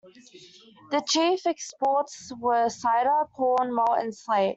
The chief exports were cider, corn, malt, and slate.